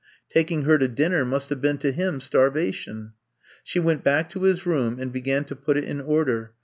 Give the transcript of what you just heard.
Taking her to dinner must have been to him starvation. She went back to his room and began to put it in order.